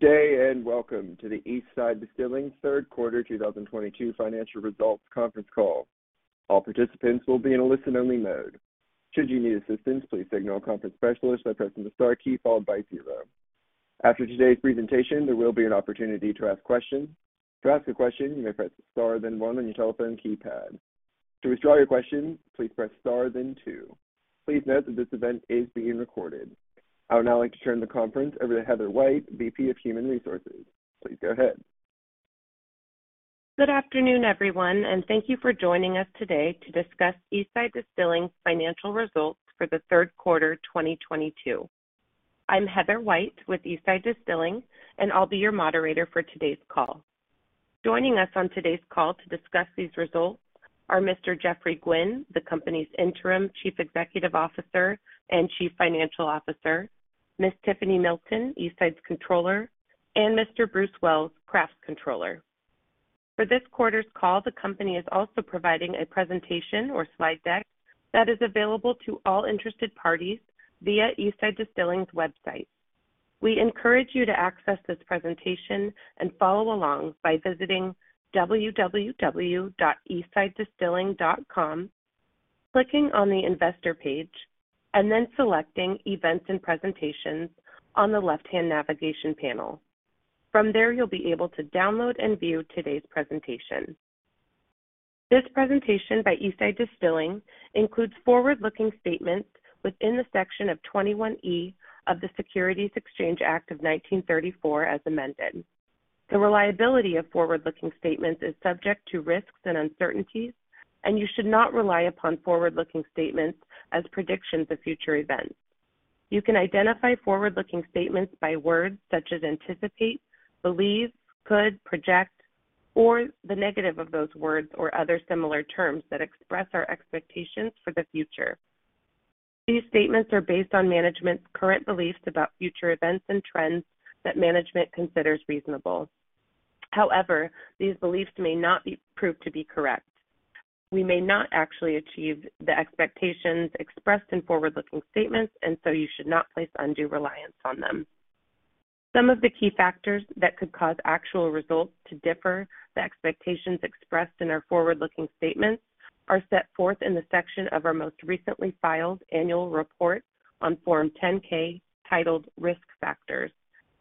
Good day, and welcome to the Eastside Distilling third quarter 2022 financial results conference call. All participants will be in a listen-only mode. Should you need assistance, please signal a conference specialist by pressing the star key followed by zero. After today's presentation, there will be an opportunity to ask questions. To ask a question, you may press star then one on your telephone keypad. To withdraw your question, please press star then two. Please note that this event is being recorded. I would now like to turn the conference over to Heather White, VP of Human Resources. Please go ahead. Good afternoon, everyone, and thank you for joining us today to discuss Eastside Distilling's financial results for the third quarter 2022. I'm Heather White with Eastside Distilling, and I'll be your moderator for today's call. Joining us on today's call to discuss these results are Mr. Geoffrey Gwin, the company's Interim Chief Executive Officer and Chief Financial Officer, Ms. Tiffany Milton, Eastside's Controller, and Mr. Bruce Wells, Craft Controller. For this quarter's call, the company is also providing a presentation or slide deck that is available to all interested parties via Eastside Distilling's website. We encourage you to access this presentation and follow along by visiting www.eastsidedistilling.com, clicking on the Investor page, and then selecting Events & Presentations on the left-hand navigation panel. From there, you'll be able to download and view today's presentation. This presentation by Eastside Distilling includes forward-looking statements within Section 21E of the Securities Exchange Act of 1934, as amended. The reliability of forward-looking statements is subject to risks and uncertainties, and you should not rely upon forward-looking statements as predictions of future events. You can identify forward-looking statements by words such as anticipate, believe, could, project, or the negative of those words or other similar terms that express our expectations for the future. These statements are based on management's current beliefs about future events and trends that management considers reasonable. However, these beliefs may not be proved to be correct. We may not actually achieve the expectations expressed in forward-looking statements, and so you should not place undue reliance on them. Some of the key factors that could cause actual results to differ from the expectations expressed in our forward-looking statements are set forth in the section of our most recently filed Annual Report on Form 10-K titled Risk Factors,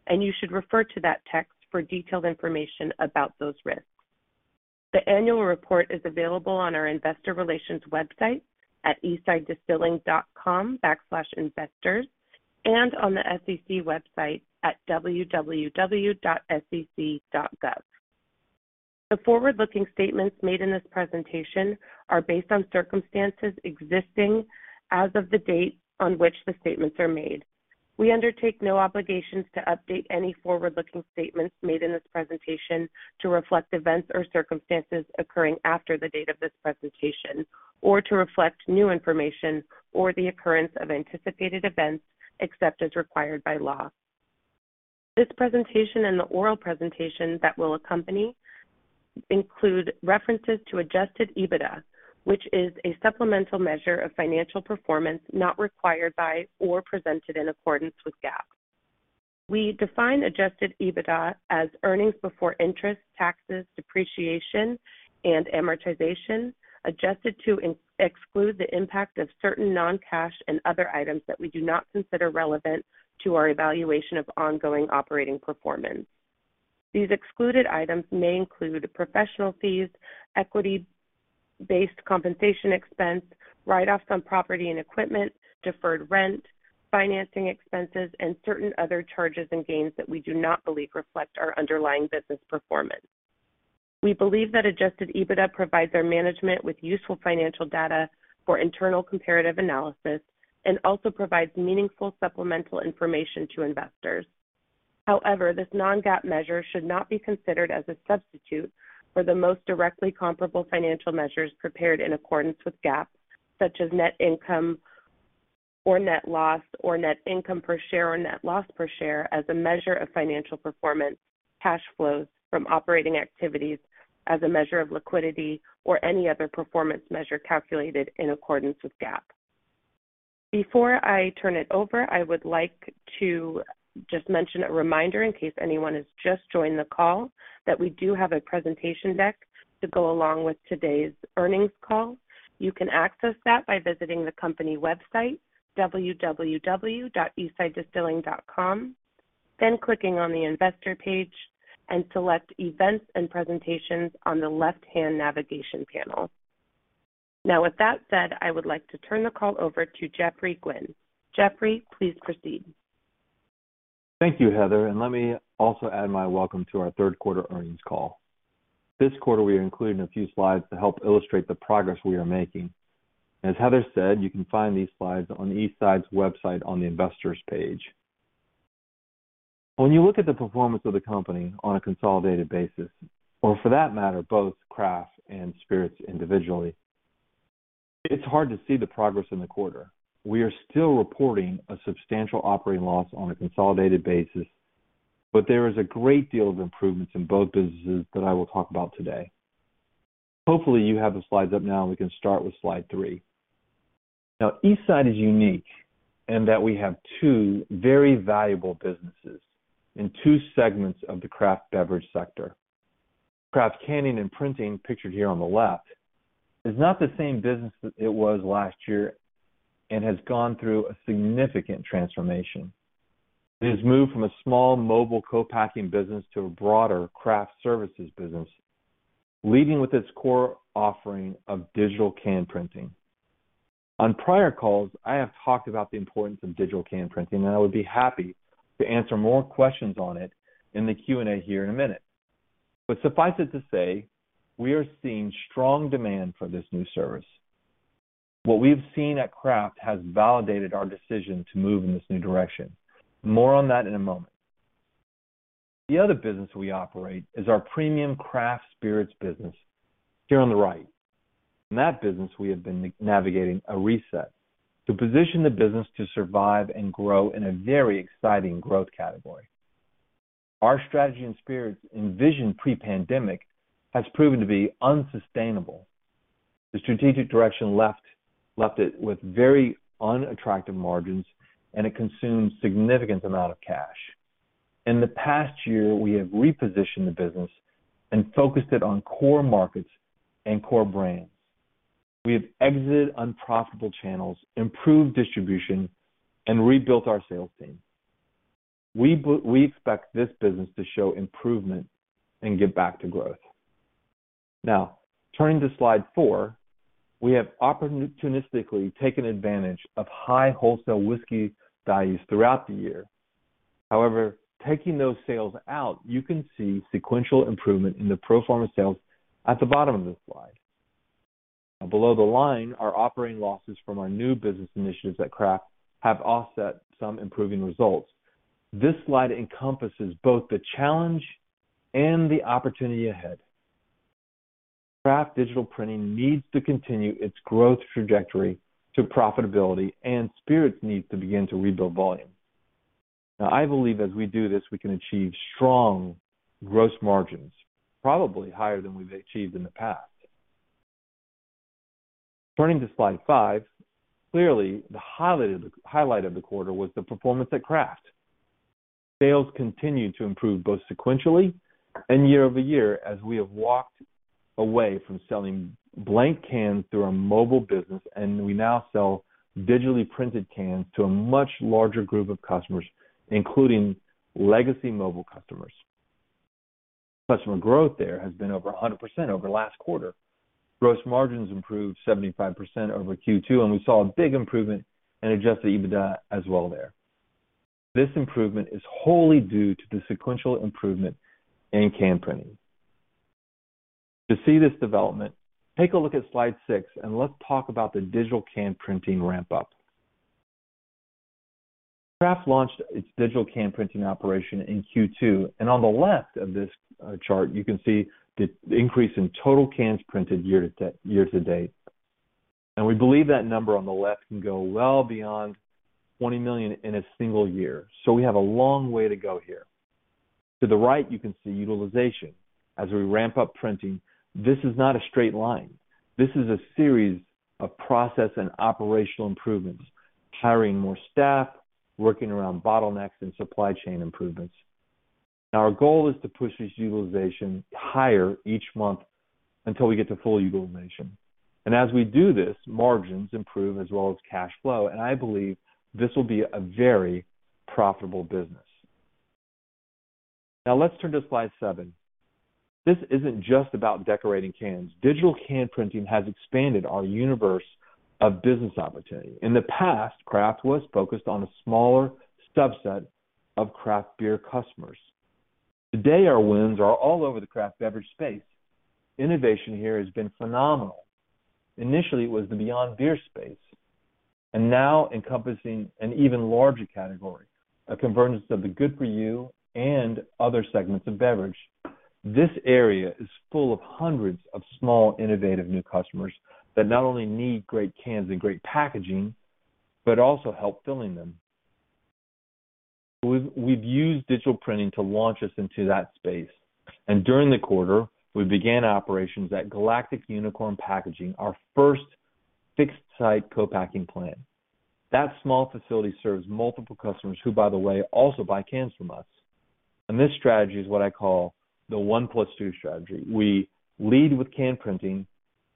and you should refer to that text for detailed information about those risks. The Annual Report is available on our Investor Relations website at eastsidedistilling.com/investors and on the SEC website at www.sec.gov. The forward-looking statements made in this presentation are based on circumstances existing as of the date on which the statements are made. We undertake no obligations to update any forward-looking statements made in this presentation to reflect events or circumstances occurring after the date of this presentation or to reflect new information or the occurrence of anticipated events except as required by law. This presentation and the oral presentation that will accompany include references to adjusted EBITDA, which is a supplemental measure of financial performance not required by or presented in accordance with GAAP. We define adjusted EBITDA as earnings before interest, taxes, depreciation, and amortization, adjusted to exclude the impact of certain non-cash and other items that we do not consider relevant to our evaluation of ongoing operating performance. These excluded items may include professional fees, equity-based compensation expense, write-offs on property and equipment, deferred rent, financing expenses, and certain other charges and gains that we do not believe reflect our underlying business performance. We believe that adjusted EBITDA provides our management with useful financial data for internal comparative analysis and also provides meaningful supplemental information to investors. However, this non-GAAP measure should not be considered as a substitute for the most directly comparable financial measures prepared in accordance with GAAP, such as net income or net loss or net income per share or net loss per share as a measure of financial performance, cash flows from operating activities as a measure of liquidity or any other performance measure calculated in accordance with GAAP. Before I turn it over, I would like to just mention a reminder in case anyone has just joined the call that we do have a presentation deck to go along with today's earnings call. You can access that by visiting the company website, www.eastsidedistilling.com, then clicking on the Investor page and select Events & Presentations on the left-hand navigation panel. Now with that said, I would like to turn the call over to Geoffrey Gwin. Geoffrey, please proceed. Thank you, Heather, and let me also add my welcome to our third quarter earnings call. This quarter we are including a few slides to help illustrate the progress we are making. As Heather said, you can find these slides on Eastside's website on the Investors page. When you look at the performance of the company on a consolidated basis, or for that matter, both Craft and Spirits individually, it's hard to see the progress in the quarter. We are still reporting a substantial operating loss on a consolidated basis, but there is a great deal of improvements in both businesses that I will talk about today. Hopefully, you have the slides up now, and we can start with slide three. Now, Eastside is unique in that we have two very valuable businesses in two segments of the craft beverage sector. Craft Canning + Printing, pictured here on the left, is not the same business it was last year and has gone through a significant transformation. It has moved from a small mobile co-packing business to a broader craft services business, leading with its core offering of digital can printing. On prior calls, I have talked about the importance of digital can printing, and I would be happy to answer more questions on it in the Q&A here in a minute. Suffice it to say, we are seeing strong demand for this new service. What we have seen at Craft has validated our decision to move in this new direction. More on that in a moment. The other business we operate is our Premium Craft Spirits business here on the right. In that business, we have been navigating a reset to position the business to survive and grow in a very exciting growth category. Our strategy and spirits envisioned pre-pandemic has proven to be unsustainable. The strategic direction left it with very unattractive margins, and it consumed significant amount of cash. In the past year, we have repositioned the business and focused it on core markets and core brands. We have exited unprofitable channels, improved distribution, and rebuilt our sales team. We expect this business to show improvement and get back to growth. Now, turning to slide four, we have opportunistically taken advantage of high wholesale whiskey values throughout the year. However, taking those sales out, you can see sequential improvement in the pro forma sales at the bottom of this slide. Below the line, our operating losses from our new business initiatives at Craft have offset some improving results. This slide encompasses both the challenge and the opportunity ahead. Craft digital printing needs to continue its growth trajectory to profitability, and Spirits needs to begin to rebuild volume. Now, I believe as we do this, we can achieve strong gross margins, probably higher than we've achieved in the past. Turning to slide five, clearly, the highlight of the quarter was the performance at Craft. Sales continued to improve both sequentially and year-over-year as we have walked away from selling blank cans through our mobile business, and we now sell digitally printed cans to a much larger group of customers, including legacy mobile customers. Customer growth there has been over 100% over the last quarter. Gross margins improved 75% over Q2, and we saw a big improvement in adjusted EBITDA as well there. This improvement is wholly due to the sequential improvement in can printing. To see this development, take a look at slide six and let's talk about the digital can printing ramp up. Craft launched its digital can printing operation in Q2, and on the left of this chart you can see the increase in total cans printed year to date. We believe that number on the left can go well beyond 20 million in a single year. We have a long way to go here. To the right, you can see utilization as we ramp up printing. This is not a straight line. This is a series of process and operational improvements, hiring more staff, working around bottlenecks and supply chain improvements. Our goal is to push this utilization higher each month until we get to full utilization. As we do this, margins improve as well as cash flow, and I believe this will be a very profitable business. Now let's turn to slide seven. This isn't just about decorating cans. Digital can printing has expanded our universe of business opportunity. In the past, Craft was focused on a smaller subset of craft beer customers. Today, our wins are all over the craft beverage space. Innovation here has been phenomenal. Initially, it was the beyond beer space, and now encompassing an even larger category, a convergence of the good for you and other segments of beverage. This area is full of hundreds of small, innovative new customers that not only need great cans and great packaging, but also help filling them. We've used digital printing to launch us into that space, and during the quarter, we began operations at Galactic Unicorn Packaging, our first fixed-site co-packing plant. That small facility serves multiple customers who, by the way, also buy cans from us. This strategy is what I call the one plus two strategy. We lead with can printing,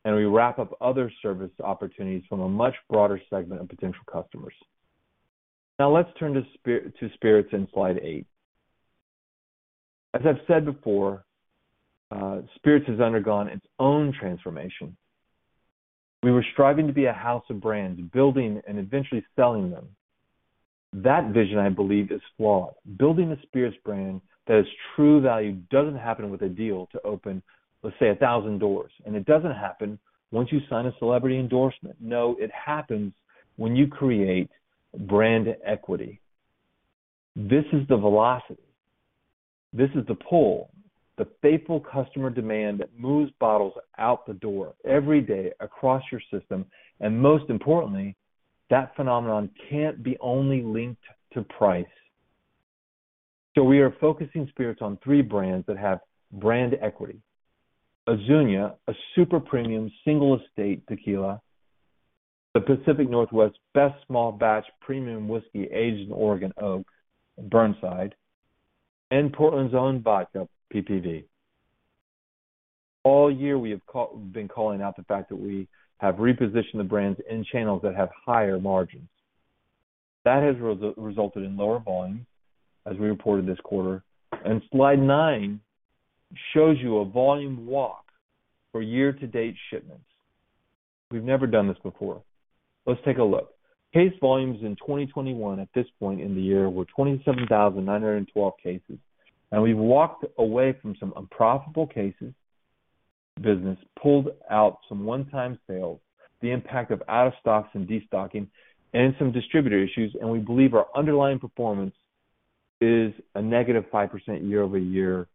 and we wrap up other service opportunities from a much broader segment of potential customers. Now let's turn to Spirits in slide eight. As I've said before, Spirits has undergone its own transformation. We were striving to be a house of brands, building and eventually selling them. That vision, I believe, is flawed. Building a Spirits brand that is true value doesn't happen with a deal to open, let's say, a thousand doors, and it doesn't happen once you sign a celebrity endorsement. No, it happens when you create brand equity. This is the velocity. This is the pull, the faithful customer demand that moves bottles out the door every day across your system, and most importantly, that phenomenon can't be only linked to price. We are focusing Spirits on three brands that have brand equity. Azuñia, a super-premium single-estate tequila, the Pacific Northwest's best small batch premium whiskey aged in Oregon Oak in Burnside, and Portland's own vodka, PPV. All year, we have been calling out the fact that we have repositioned the brands in channels that have higher margins. That has resulted in lower volume, as we reported this quarter. Slide nine shows you a volume walk for year to date shipments. We've never done this before. Let's take a look. Case volumes in 2021 at this point in the year were 27,912 cases. Now we've walked away from some unprofitable cases. Business pulled out some one-time sales, the impact of out of stocks and destocking and some distributor issues, and we believe our underlying performance is a -5% year-over-year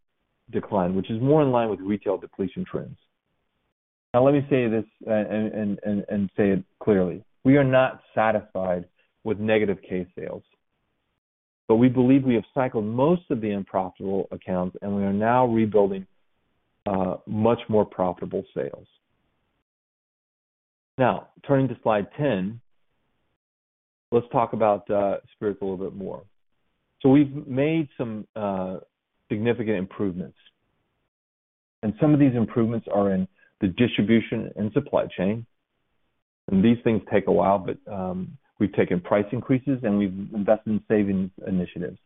decline, which is more in line with retail depletion trends. Now, let me say this and say it clearly. We are not satisfied with negative case sales, but we believe we have cycled most of the unprofitable accounts, and we are now rebuilding much more profitable sales. Now, turning to slide 10. Let's talk about Spirits a little bit more. We've made some significant improvements, and some of these improvements are in the distribution and supply chain. These things take a while, but we've taken price increases, and we've invested in savings initiatives.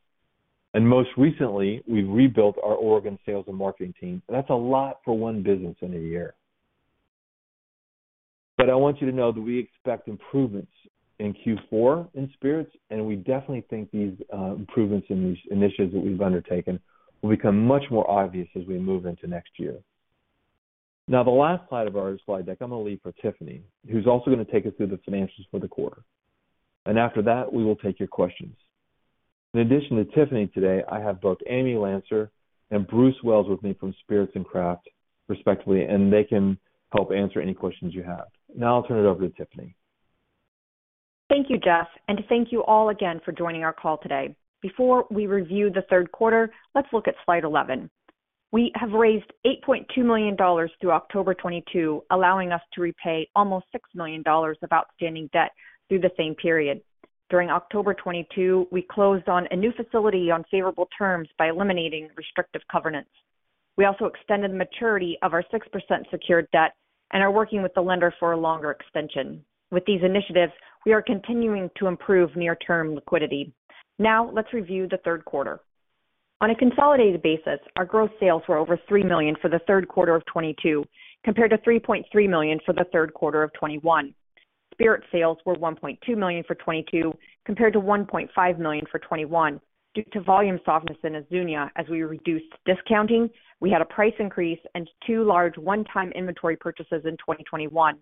Most recently, we've rebuilt our Oregon sales and marketing team. That's a lot for one business in a year. I want you to know that we expect improvements in Q4 in Spirits, and we definitely think these improvements in these initiatives that we've undertaken will become much more obvious as we move into next year. Now, the last slide of our slide deck, I'm gonna leave for Tiffany, who's also gonna take us through the financials for the quarter. After that, we will take your questions. In addition to Tiffany today, I have both Amy Lancer and Bruce Wells with me from Spirits and Craft, respectively, and they can help answer any questions you have. Now I'll turn it over to Tiffany. Thank you, Geoff. Thank you all again for joining our call today. Before we review the third quarter, let's look at slide 11. We have raised $8.2 million through October 2022, allowing us to repay almost $6 million of outstanding debt through the same period. During October 2022, we closed on a new facility on favorable terms by eliminating restrictive covenants. We also extended the maturity of our 6% secured debt and are working with the lender for a longer extension. With these initiatives, we are continuing to improve near term liquidity. Now, let's review the third quarter. On a consolidated basis, our gross sales were over $3 million for the third quarter of 2022, compared to $3.3 million for the third quarter of 2021. Spirit sales were $1.2 million for 2022, compared to $1.5 million for 2021. Due to volume softness in Azuñia, as we reduced discounting, we had a price increase and two large one-time inventory purchases in 2021.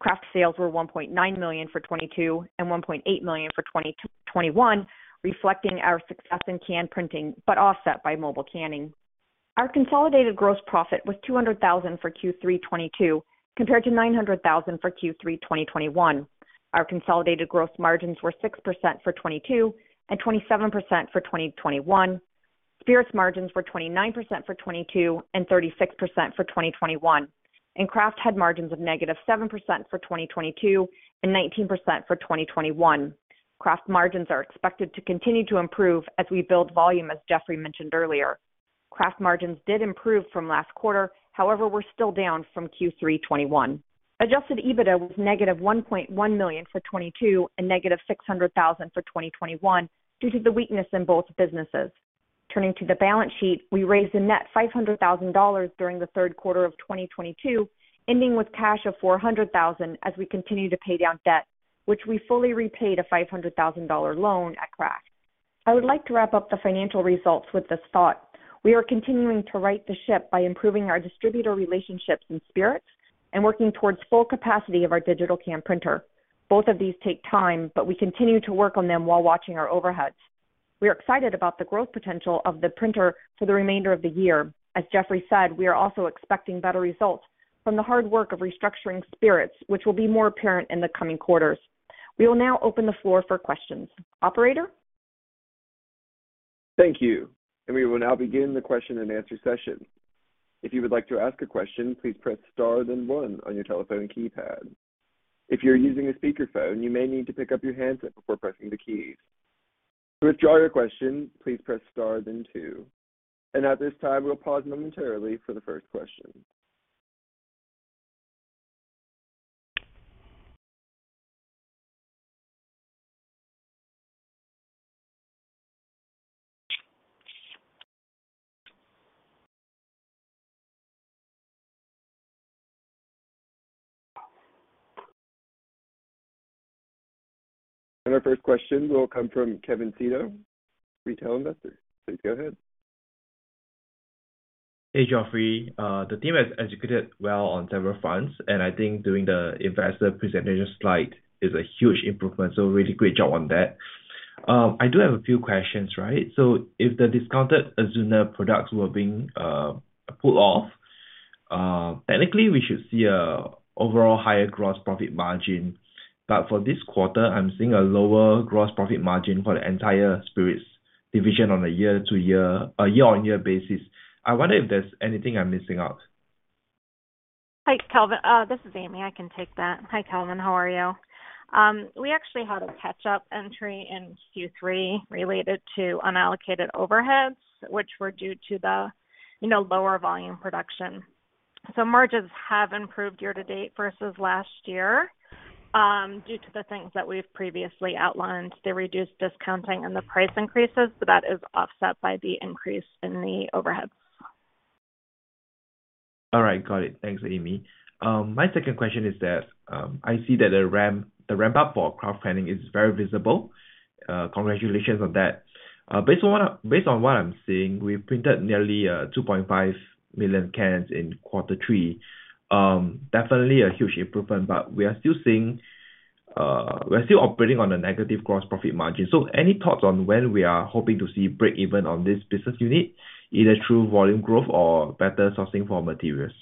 Craft sales were $1.9 million for 2022 and $1.8 million for 2021, reflecting our success in can printing, but offset by mobile canning. Our consolidated gross profit was $200 thousand for Q3 2022 compared to $900 thousand for Q3 2021. Our consolidated gross margins were 6% for 2022 and 27% for 2021. Spirits margins were 29% for 2022 and 36% for 2021. Craft had margins of -7% for 2022 and 19% for 2021. Craft margins are expected to continue to improve as we build volume, as Geoffrey mentioned earlier. Craft margins did improve from last quarter, however, we're still down from Q3 2021. Adjusted EBITDA was negative $1.1 million for 2022 and negative $600,000 for 2021 due to the weakness in both businesses. Turning to the balance sheet, we raised a net $500,000 during the third quarter of 2022, ending with cash of $400,000 as we continue to pay down debt, which we fully repaid a $500,000 loan at Craft. I would like to wrap up the financial results with this thought. We are continuing to right the ship by improving our distributor relationships in Spirits and working towards full capacity of our digital can printer. Both of these take time, but we continue to work on them while watching our overheads. We are excited about the growth potential of the printer for the remainder of the year. As Geoffrey said, we are also expecting better results from the hard work of restructuring Spirits, which will be more apparent in the coming quarters. We will now open the floor for questions. Operator? Thank you. We will now begin the question and answer session. If you would like to ask a question, please press star then one on your telephone keypad. If you're using a speaker phone, you may need to pick up your handset before pressing the keys. To withdraw your question, please press star then two. At this time, we'll pause momentarily for the first question. Our first question will come from Calvin Teo, retail investor. Please go ahead. Hey, Geoffrey. The team has executed well on several fronts, and I think doing the investor presentation slide is a huge improvement. Really great job on that. I do have a few questions, right? If the discounted Azuñia products were being pulled off, technically we should see an overall higher gross profit margin. But for this quarter, I'm seeing a lower gross profit margin for the entire spirits division on a year-on-year basis. I wonder if there's anything I'm missing out. Hi, Calvin. This is Amy. I can take that. Hi, Calvin. How are you? We actually had a catch-up entry in Q3 related to unallocated overheads, which were due to the, you know, lower volume production. Margins have improved year to date versus last year, due to the things that we've previously outlined, the reduced discounting and the price increases, but that is offset by the increase in the overheads. All right. Got it. Thanks, Amy. My second question is that I see that the ramp-up for Craft Canning is very visible. Congratulations on that. Based on what I'm seeing, we've printed nearly 2.5 million cans in quarter three. Definitely a huge improvement, but we are still operating on a negative gross profit margin. Any thoughts on when we are hoping to see breakeven on this business unit, either through volume growth or better sourcing for materials?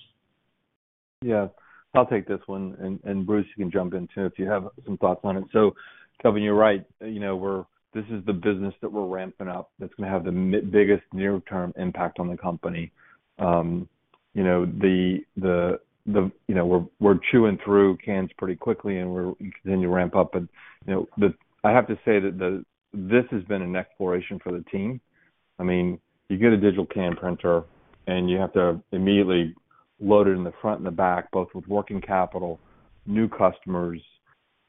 Yeah. I'll take this one, and Bruce, you can jump in too if you have some thoughts on it. Calvin, you're right. You know, this is the business that we're ramping up, that's gonna have the biggest near-term impact on the company. You know, you know, we're chewing through cans pretty quickly, and we're continuing to ramp up. You know, I have to say that this has been an exploration for the team. I mean, you get a digital can printer, and you have to immediately load it in the front and the back, both with working capital, new customers.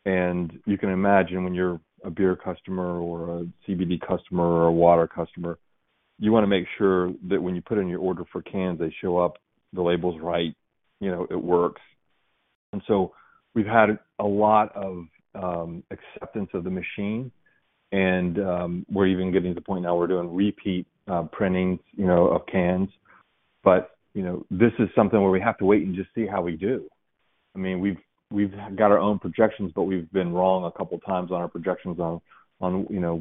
You can imagine when you're a beer customer or a CBD customer or a water customer, you wanna make sure that when you put in your order for cans, they show up, the label's right, you know, it works. We've had a lot of acceptance of the machine, and we're even getting to the point now we're doing repeat printings, you know, of cans. You know, this is something where we have to wait and just see how we do. I mean, we've got our own projections, but we've been wrong a couple times on our projections on you know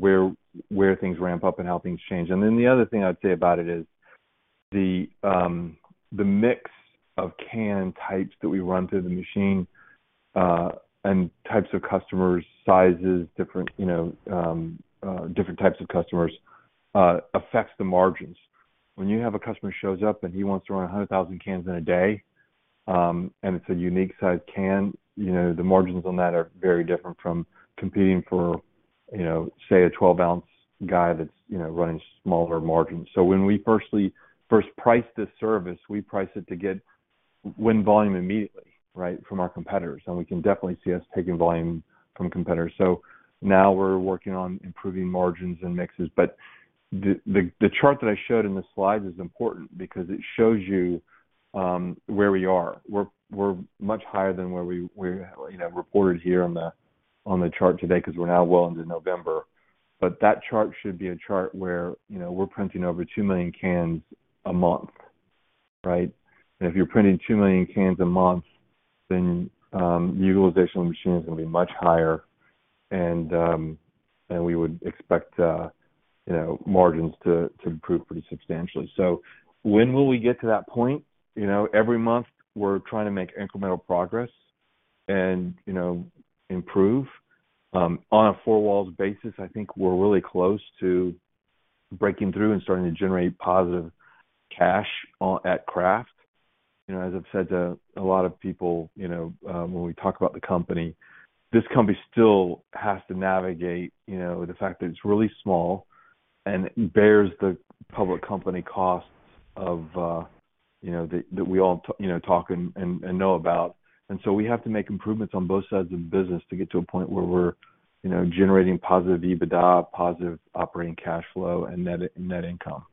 where things ramp up and how things change. The other thing I'd say about it is the mix of can types that we run through the machine, and types of customers, sizes, different, you know, different types of customers, affects the margins. When you have a customer shows up, and he wants to run 100,000 cans in a day, and it's a unique size can, you know, the margins on that are very different from competing for, you know, say, a 12-ounce guy that's, you know, running smaller margins. When we first priced this service, we priced it to win volume immediately, right, from our competitors, and we can definitely see us taking volume from competitors. Now we're working on improving margins and mixes. The chart that I showed in the slides is important because it shows you where we are. We're much higher than where we you know reported here on the chart today 'cause we're now well into November. That chart should be a chart where you know we're printing over 2 million cans a month right? If you're printing 2 million cans a month then utilization of the machine is gonna be much higher. We would expect you know margins to improve pretty substantially. When will we get to that point? You know every month we're trying to make incremental progress and you know improve. On a four walls basis I think we're really close to breaking through and starting to generate positive cash at Craft. You know, as I've said to a lot of people, you know, when we talk about the company, this company still has to navigate, you know, the fact that it's really small and bears the public company costs of, you know, that we all talk and know about. We have to make improvements on both sides of the business to get to a point where we're, you know, generating positive EBITDA, positive operating cash flow and net income.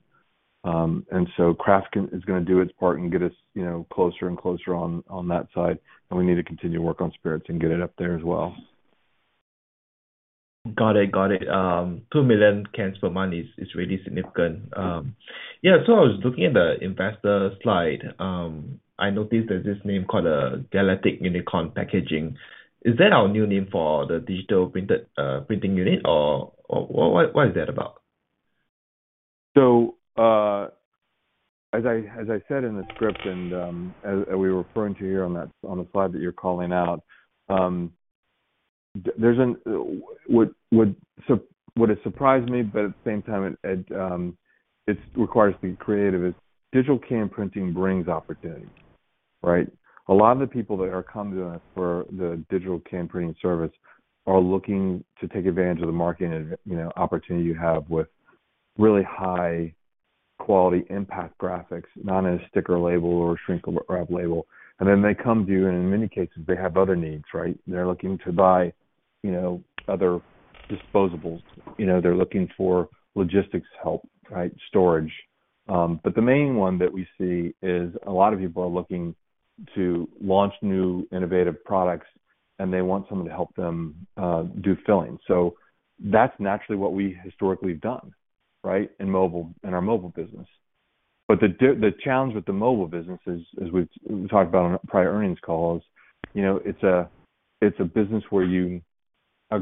Craft is gonna do its part and get us, you know, closer and closer on that side, and we need to continue to work on Spirits and get it up there as well. Got it. 2 million cans per month is really significant. Yeah, I was looking at the investor slide. I noticed there's this name called Galactic Unicorn Packaging. Is that our new name for the digital printing unit or what is that about? As I said in the script and as we're referring to here on the slide that you're calling out, would it surprise me, but at the same time it requires being creative is digital can printing brings opportunities, right? A lot of the people that are coming to us for the digital can printing service are looking to take advantage of the marketing, you know, opportunity you have with really high quality impact graphics, not in a sticker label or shrink wrap label. Then they come to you, and in many cases, they have other needs, right? They're looking to buy, you know, other disposables. You know, they're looking for logistics help, right? Storage. The main one that we see is a lot of people are looking to launch new innovative products, and they want someone to help them do filling. That's naturally what we historically have done, right, in our mobile business. The challenge with the mobile business is we've talked about on our prior earnings call is, you know, it's a business where you're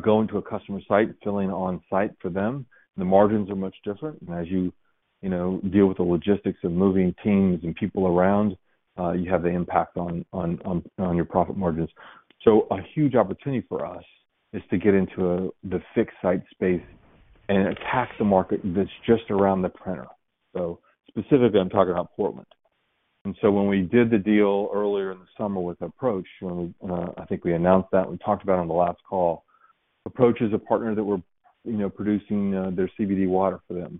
going to a customer site, filling on site for them. The margins are much different. As you know, deal with the logistics of moving teams and people around, you have the impact on your profit margins. A huge opportunity for us is to get into the fixed site space and attack the market that's just around the printer. Specifically, I'm talking about Portland. When we did the deal earlier in the summer with Aprch, when we, I think we announced that, we talked about on the last call. Aprch is a partner that we're, you know, producing their CBD water for them.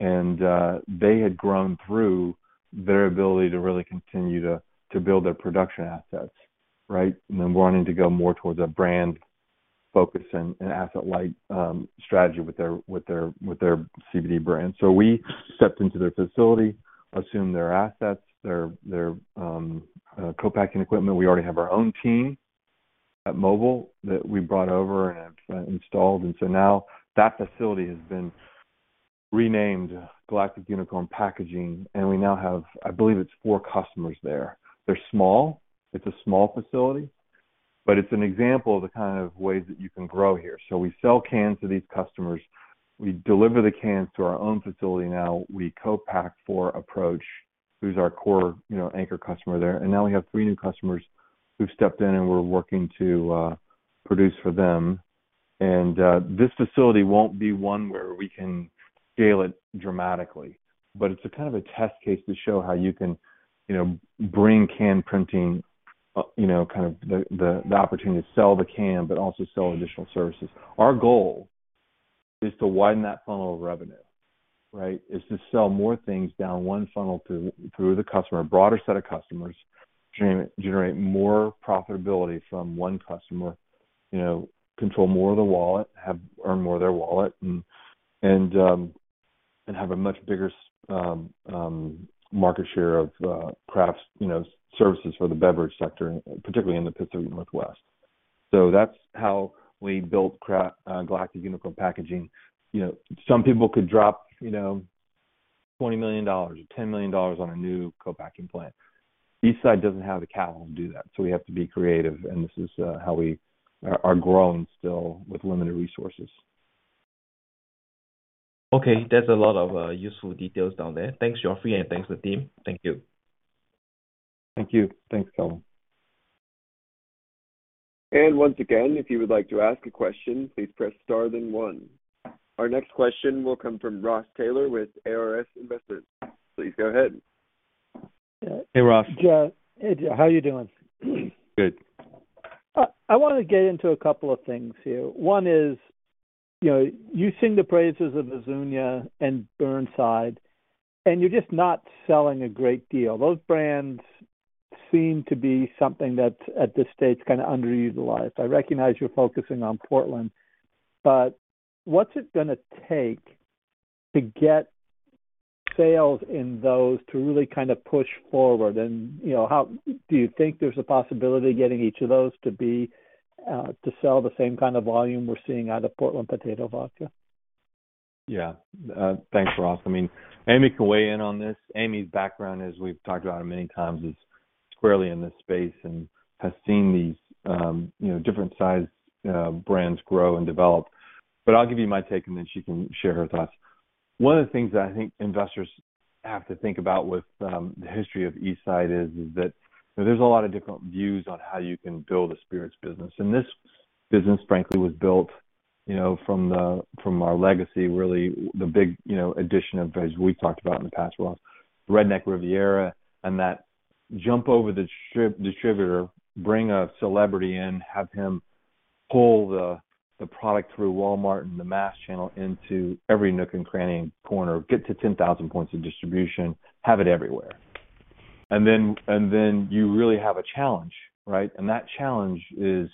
They had grown through their ability to really continue to build their production assets, right? Wanting to go more towards a brand focus and asset-light strategy with their CBD brand. We stepped into their facility, assumed their assets, their co-packing equipment. We already have our own team at Mobile that we brought over and have installed. Now that facility has been renamed Galactic Unicorn Packaging, and we now have, I believe, it's four customers there. They're small. It's a small facility, but it's an example of the kind of ways that you can grow here. We sell cans to these customers. We deliver the cans to our own facility now. We co-pack for Aprch, who's our core, you know, anchor customer there. Now we have three new customers who've stepped in, and we're working to produce for them. This facility won't be one where we can scale it dramatically, but it's a kind of a test case to show how you can, you know, bring can printing, you know, kind of the opportunity to sell the can, but also sell additional services. Our goal is to widen that funnel of revenue, right? Is to sell more things down one funnel to, through the customer, a broader set of customers, generate more profitability from one customer, you know, control more of the wallet, have to earn more of their wallet and have a much bigger market share of Craft's, you know, services for the beverage sector, particularly in the Pacific Northwest. That's how we built Galactic Unicorn Packaging. You know, some people could drop, you know, $20 million or $10 million on a new co-packing plant. Eastside doesn't have the capital to do that, so we have to be creative, and this is how we are growing still with limited resources. Okay. That's a lot of useful details down there. Thanks, Geoffrey, and thanks, the team. Thank you. Thank you. Thanks, Calvin. Once again, if you would like to ask a question, please press star then one. Our next question will come from Ross Taylor with ARS Investment Partners. Please go ahead. Hey, Ross. Geoff, hey, how are you doing? Good. I wanna get into a couple of things here. One is, you know, you sing the praises of Azuñia and Burnside, and you're just not selling a great deal. Those brands seem to be something that, at this stage, kind of underutilized. I recognize you're focusing on Portland, but what's it gonna take to get sales in those to really kind of push forward? You know, do you think there's a possibility getting each of those to be to sell the same kind of volume we're seeing out of Portland Potato Vodka? Yeah. Thanks, Ross. I mean, Amy can weigh in on this. Amy's background, as we've talked about many times, is squarely in this space and has seen these, you know, different size brands grow and develop. But I'll give you my take, and then she can share her thoughts. One of the things that I think investors have to think about with the history of Eastside is that, you know, there's a lot of different views on how you can build a spirits business, and this business, frankly, was built, you know, from our legacy, really the big, you know, addition of, as we've talked about in the past, Ross, Redneck Riviera, and that jump over the distributor, bring a celebrity in, have him pull the product through Walmart and the mass channel into every nook and cranny and corner, get to 10,000 points of distribution, have it everywhere. Then you really have a challenge, right? That challenge is,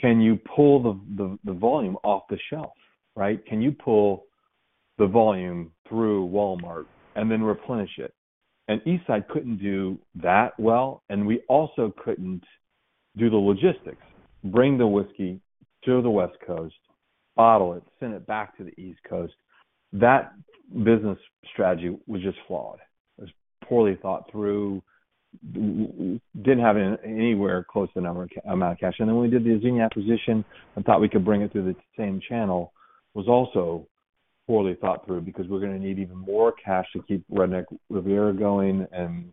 can you pull the volume off the shelf, right? Can you pull the volume through Walmart and then replenish it? Eastside couldn't do that well, and we also couldn't do the logistics, bring the whiskey to the West Coast, bottle it, send it back to the East Coast. That business strategy was just flawed. It was poorly thought through. Didn't have anywhere close to the amount of cash. Then when we did the Azuñia acquisition and thought we could bring it through the same channel, was also poorly thought through because we're gonna need even more cash to keep Redneck Riviera going and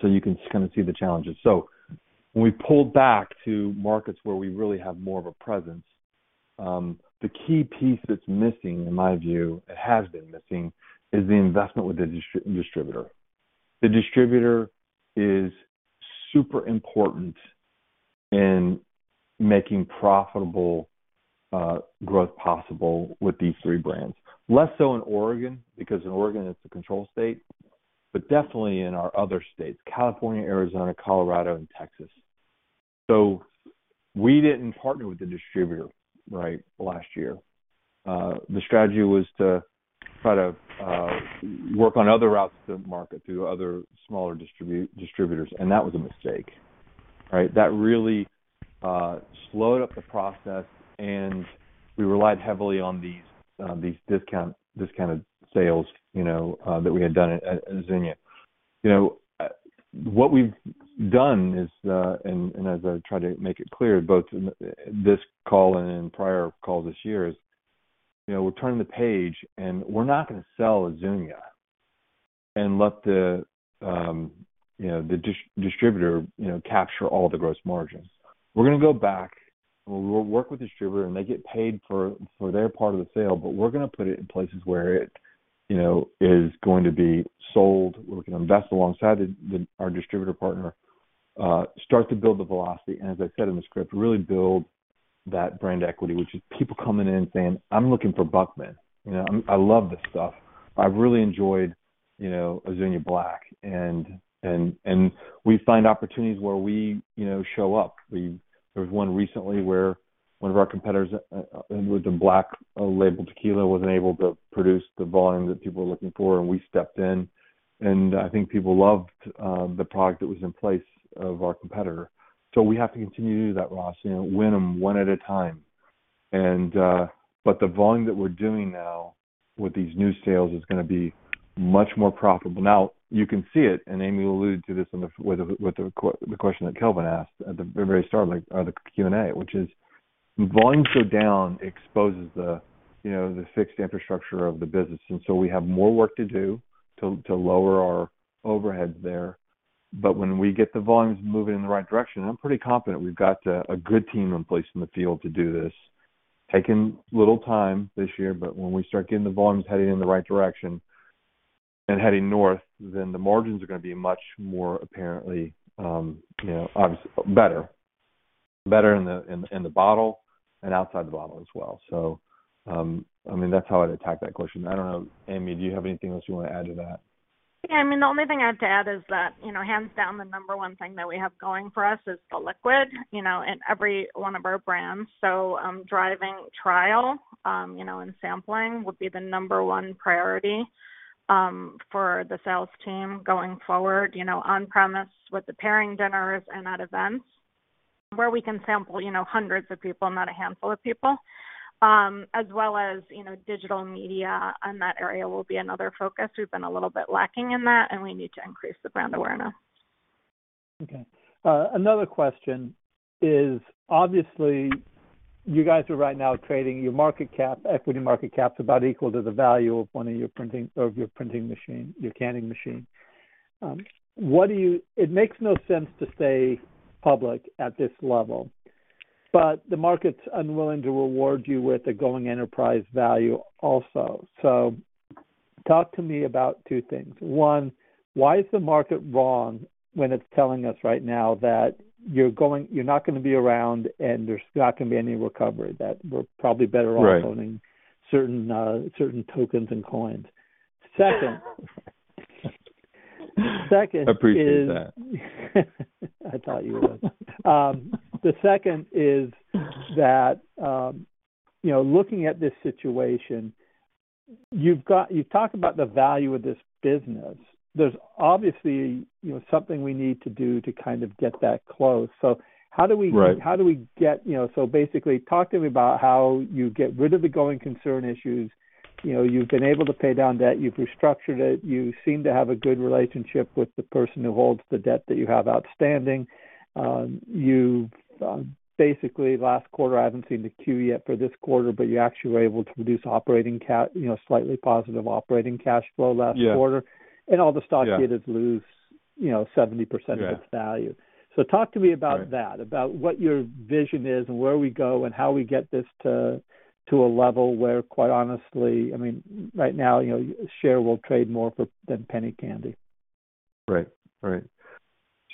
so you can kind of see the challenges. When we pulled back to markets where we really have more of a presence, the key piece that's missing, in my view, it has been missing, is the investment with the distributor. The distributor is super important in making profitable growth possible with these three brands. Less so in Oregon, because in Oregon it's a control state, but definitely in our other states, California, Arizona, Colorado, and Texas. We didn't partner with the distributor, right, last year. The strategy was to try to work on other routes to market through other smaller distributors, and that was a mistake, right? That really slowed up the process, and we relied heavily on these discounted sales, you know, that we had done at Azuñia. What we've done is, and as I try to make it clear both in this call and in prior calls this year is, you know, we're turning the page, and we're not gonna sell Azuñia and let the distributor, you know, capture all the gross margins. We're gonna go back, and we'll work with distributor, and they get paid for their part of the sale, but we're gonna put it in places where it, you know, is going to be sold. We're gonna invest alongside our distributor partner, start to build the velocity, and as I said in the script, really build that brand equity, which is people coming in saying, "I'm looking for Burnside. You know, I love this stuff. I've really enjoyed, you know, Azuñia Black." We find opportunities where we, you know, show up. There was one recently where one of our competitors with the Black Label Tequila wasn't able to produce the volume that people were looking for, and we stepped in, and I think people loved the product that was in place of our competitor. We have to continue to do that, Ross, you know, win 'em one at a time. But the volume that we're doing now with these new sales is gonna be much more profitable. Now you can see it, and Amy will allude to this with the question that Calvin asked at the very start, like, the Q&A, which is volumes go down, exposes the you know the fixed infrastructure of the business. We have more work to do to lower our overheads there. But when we get the volumes moving in the right direction, I'm pretty confident we've got a good team in place in the field to do this. Taking little time this year, but when we start getting the volumes heading in the right direction and heading north, then the margins are gonna be much more apparent, you know, better in the bottle and outside the bottle as well. I mean, that's how I'd attack that question. I don't know. Amy, do you have anything else you wanna add to that? Yeah. I mean, the only thing I'd add is that, you know, hands down, the number one thing that we have going for us is the liquid, you know, in every one of our brands. Driving trial, you know, and sampling would be the number one priority for the sales team going forward, you know, on-premise with the pairing dinners and at events where we can sample, you know, hundreds of people, not a handful of people. As well as, you know, digital media on that area will be another focus. We've been a little bit lacking in that, and we need to increase the brand awareness. Okay. Another question is, obviously, you guys are right now trading at a market cap, equity market cap's about equal to the value of one of your printing machine, your canning machine. It makes no sense to stay public at this level, but the market's unwilling to reward you with a going-concern enterprise value also. Talk to me about two things. One, why is the market wrong when it's telling us right now that you're not gonna be around, and there's not gonna be any recovery, that we're probably better off. Right. Owning certain tokens and coins. Second is- Appreciate that. I thought you would. The second is that, you know, looking at this situation, you've got, you've talked about the value of this business. There's obviously, you know, something we need to do to kind of get that close. How do we... Right. How do we get, you know? Basically, talk to me about how you get rid of the going concern issues. You know, you've been able to pay down debt, you've restructured it, you seem to have a good relationship with the person who holds the debt that you have outstanding. You've basically last quarter, I haven't seen the Q yet for this quarter, but you actually were able to produce operating you know, slightly positive operating cash flow last quarter. Yes. All of a sudden. Yeah. It is loose, you know, 70%. Yeah. of its value. Talk to me about that. Right. About what your vision is and where we go and how we get this to a level where, quite honestly, I mean, right now, you know, a share will trade for more than penny candy.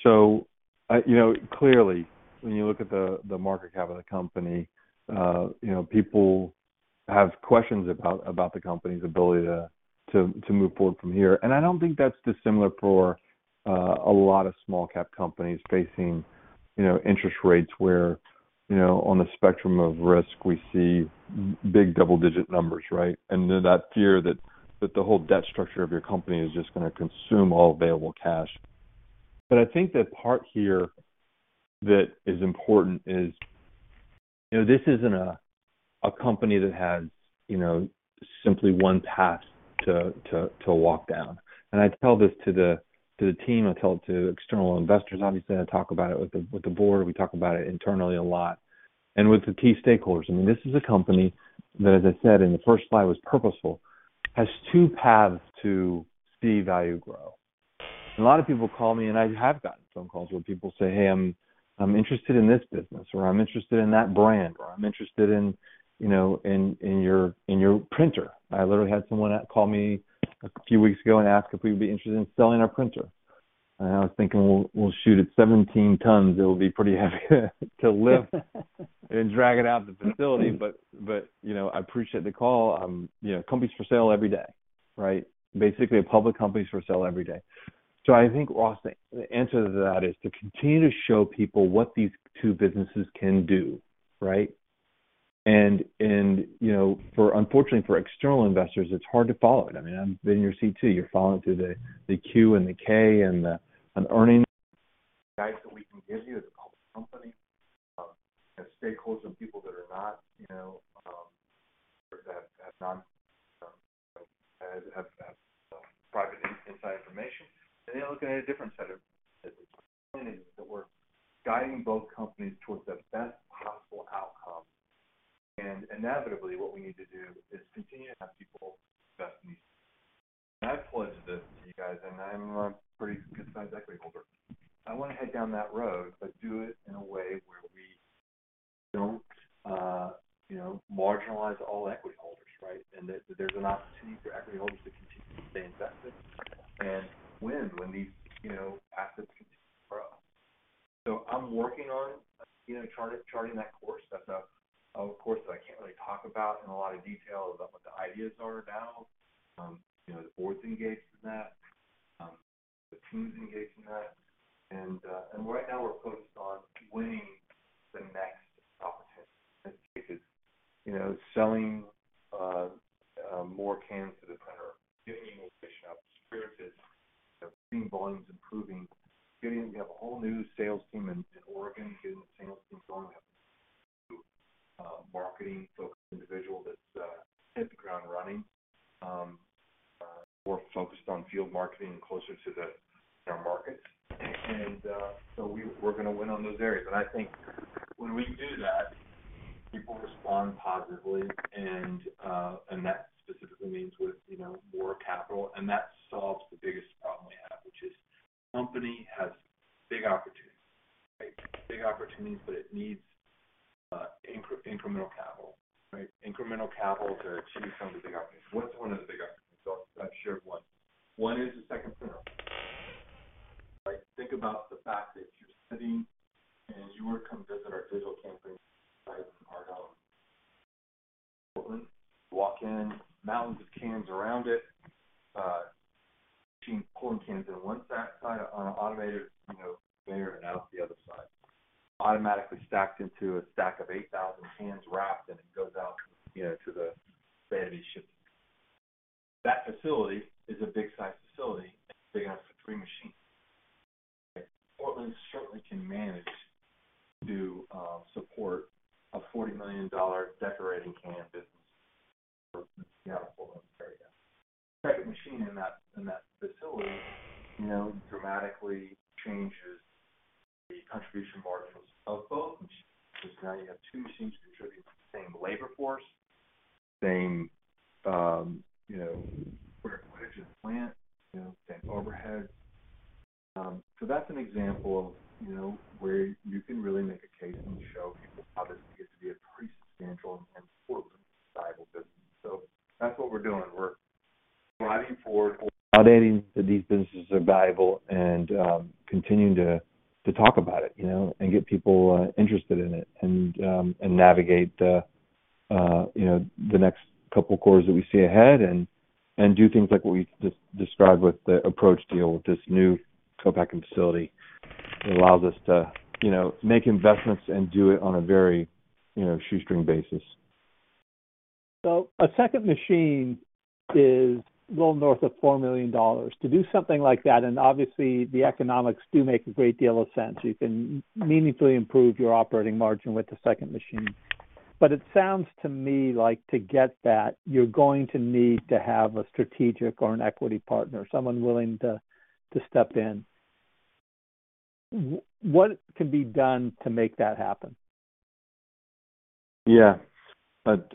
You know, clearly, when you look at the market cap of the company, you know, people have questions about the company's ability to move forward from here. I don't think that's dissimilar for a lot of small-cap companies facing, you know, interest rates where, you know, on the spectrum of risk we see big double-digit numbers, right? That fear that the whole debt structure of your company is just gonna consume all available cash. I think the part here that is important is, you know, this isn't a company that has, you know, simply one path to walk down. I tell this to the team, I tell it to external investors. Obviously, I talk about it with the board. We talk about it internally a lot and with the key stakeholders. I mean, this is a company that, as I said in the first slide, was purposeful, has two paths to see value grow. A lot of people call me, and I have gotten phone calls where people say, "Hey, I'm interested in this business," or, "I'm interested in that brand," or, "I'm interested in, you know, in your printer." I literally had someone call me a few weeks ago and ask if we would be interested in selling our printer. I was thinking, "Well, shoot, it's 17 tons. It will be pretty heavy to lift and drag it out of the facility." You know, I appreciate the call. You know, companies are for sale every day, right? Basically, public companies are for sale every day. I think, Ross, the answer to that is to continue to show people what these two businesses can do, right? Unfortunately, for external investors, it's hard to follow it. I mean, I'm in your seat too. You're following through the 10-Q and the 10-K and an earnings guide that we can give you as a public company. As stakeholders and people that are not that have private inside information, and they're looking at a different set of planning that we're guiding both companies towards the best possible outcome. Inevitably, what we need to do is continue to have people invest in these. I pledged this to you guys, and I'm a pretty good-sized equity holder. I wanna head down that road, but do it in a way where we don't, you know, marginalize all equity holders, right? That there's an opportunity for equity holders to continue to stay invested and win when these, you know, assets continue to grow. I'm working on, you know, charting that course. That's a course that I can't really talk about in a lot of detail about what the ideas are now. You know, the board's engaged in that. The team's engaged in that. Right now, we're focused on winning the next opportunity because, you know, selling more cans to the printer, getting the innovation out to Spirit is, you know, seeing volumes improving, getting. We have a whole new sales team in Oregon, getting the sales team going. We have a new marketing focused individual that's hit the ground running. More focused on field marketing closer to our markets. We're gonna win on those areas. I think when we do that, people respond positively and that specifically means with, you know, more capital, and that solves the biggest problem we have, which is the company has big opportunities, right? Big opportunities, but it needs incremental capital, right? Incremental capital to achieve some of the big opportunities. What's one of the validating that these businesses are valuable, and continuing to talk about it, you know, and get people interested in it and navigate the, you know, the next couple quarters that we see ahead and do things like what we described with the Aprch deal with this new co-packing facility that allows us to, you know, make investments and do it on a very, you know, shoestring basis. A second machine is a little north of $4 million. To do something like that, and obviously the economics do make a great deal of sense. You can meaningfully improve your operating margin with the second machine. It sounds to me like to get that, you're going to need to have a strategic or an equity partner, someone willing to step in. What can be done to make that happen?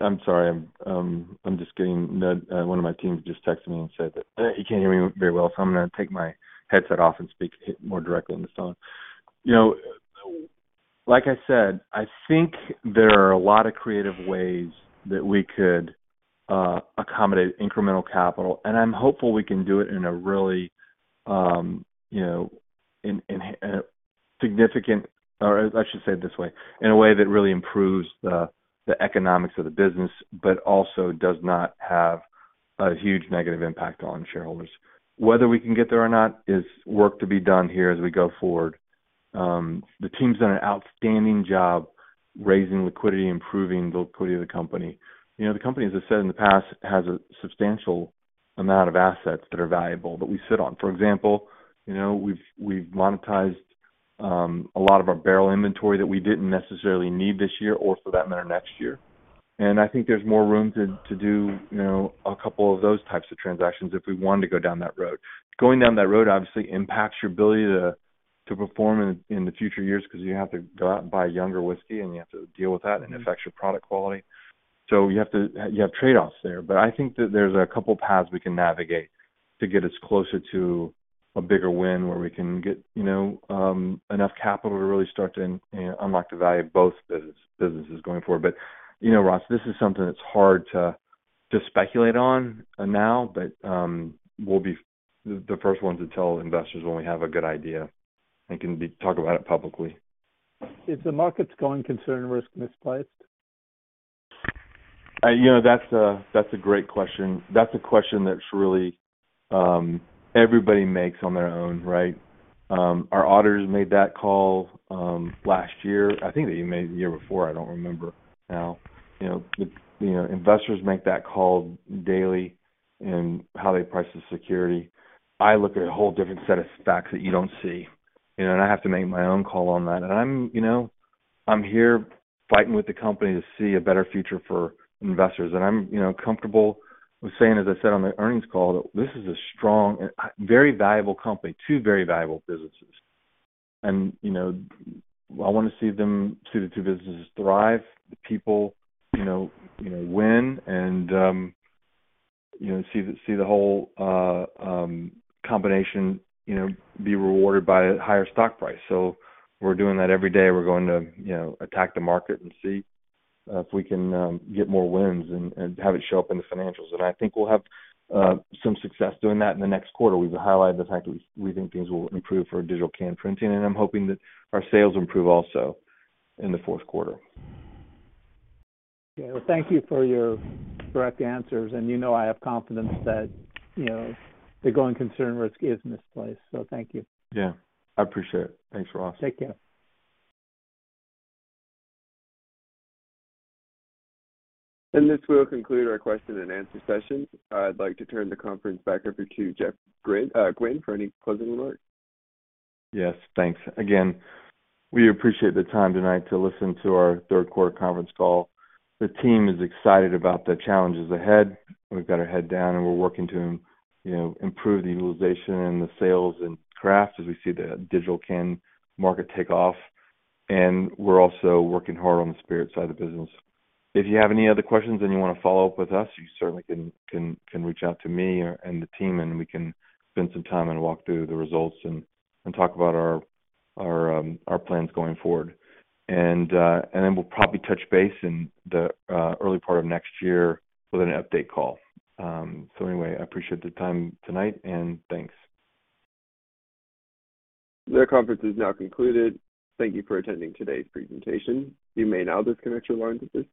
I'm sorry. I'm just getting nudged. One of my teams just texted me and said that you can't hear me very well, so I'm gonna take my headset off and speak more directly into this phone. You know, like I said, I think there are a lot of creative ways that we could accommodate incremental capital, and I'm hopeful we can do it in a really, you know, in a way that really improves the economics of the business, but also does not have a huge negative impact on shareholders. Whether we can get there or not is work to be done here as we go forward. The team's done an outstanding job raising liquidity, improving the liquidity of the company. You know, the company, as I said in the past, has a substantial amount of assets that are valuable that we sit on. For example, you know, we've monetized a lot of our barrel inventory that we didn't necessarily need this year or for that matter next year. I think there's more room to do, you know, a couple of those types of transactions if we wanted to go down that road. Going down that road obviously impacts your ability to perform in the future years because you have to go out and buy younger whiskey, and you have to deal with that, and it affects your product quality. You have trade-offs there. I think that there's a couple paths we can navigate to get us closer to a bigger win, where we can get, you know, enough capital to really start to unlock the value of both business, businesses going forward. You know, Ross, this is something that's hard to speculate on, now, but we'll be the first ones to tell investors when we have a good idea and can talk about it publicly. Is the market's going concern risk misplaced? You know, that's a great question. That's a question that's really everybody makes on their own, right? Our auditors made that call last year. I think they even made it the year before. I don't remember now. You know, investors make that call daily in how they price the security. I look at a whole different set of stacks that you don't see, you know, and I have to make my own call on that. I'm, you know, here fighting with the company to see a better future for investors. I'm, you know, comfortable with saying, as I said on the earnings call, that this is a strong and very valuable company, two very valuable businesses. You know, I wanna see the two businesses thrive, the people, you know, win, and you know, see the whole combination you know, be rewarded by a higher stock price. We're doing that every day. We're going to, you know, attack the market and see if we can get more wins and have it show up in the financials. I think we'll have some success doing that in the next quarter. We've highlighted the fact that we think things will improve for our digital can printing, and I'm hoping that our sales improve also in the fourth quarter. Yeah. Well, thank you for your direct answers. You know I have confidence that, you know, the going concern risk is misplaced, so thank you. Yeah, I appreciate it. Thanks, Ross. Take care. This will conclude our question and answer session. I'd like to turn the conference back over to Geoff Gwin for any closing remarks. Yes, thanks. Again, we appreciate the time tonight to listen to our third quarter conference call. The team is excited about the challenges ahead. We've got our head down, and we're working to, you know, improve the utilization and the sales in craft as we see the digital can market take off. We're also working hard on the spirit side of the business. If you have any other questions and you wanna follow up with us, you certainly can reach out to me or the team, and we can spend some time and walk through the results and talk about our plans going forward. We'll probably touch base in the early part of next year with an update call. Anyway, I appreciate the time tonight and thanks. The conference is now concluded. Thank you for attending today's presentation. You may now disconnect your lines at this time.